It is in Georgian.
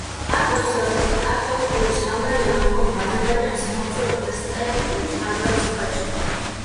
ბაქოს კათოლიკური სამრევლო იმყოფება აზერბაიჯანის სამოციქულო პრეფექტურის მფარველობის ქვეშ.